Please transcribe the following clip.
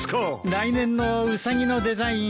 来年のウサギのデザイン